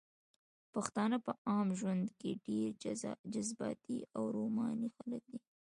پښتانه په عام ژوند کښې ډېر جذباتي او روماني خلق دي